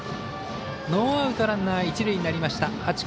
ノーアウト、ランナー、一塁になりました。